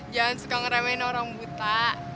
jangan suka ngeremehin orang buta